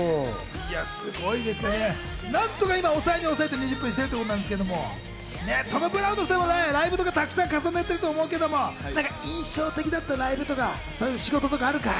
すごいですよ。何とか今、抑えに抑えて２０分にしているということなんですが、トム・ブラウンの２人もライブをたくさんやってると思うけれども印象的だったライブってそういう仕事あるかい？